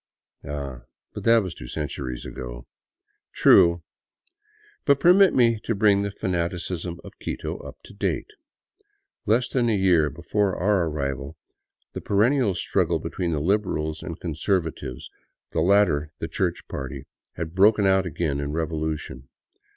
Ah, but that was two centuries ago. True, but permit me to bring the fanaticism of Quito up to date. Less than a year before our ar rival the perennial struggle between the Liberals and the Conservatives, the latter the church party, had broken out again in revolution.